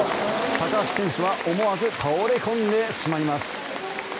高橋選手は思わず倒れ込んでしまいます。